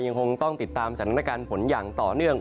ยังคงต้องติดตามสถานการณ์ฝนอย่างต่อเนื่อง